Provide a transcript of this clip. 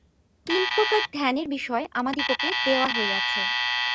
তিন প্রকার ধ্যানের বিষয় আমাদিগকে দেওয়া হইয়াছে।